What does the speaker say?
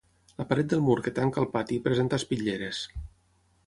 La paret del mur que tanca el pati presenta espitlleres.